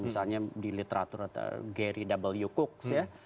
misalnya di literatur atau gary w cooks ya